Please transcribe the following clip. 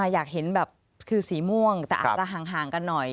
อยากเห็นแบบคือสีม่วงแต่อาจจะห่างกันหน่อย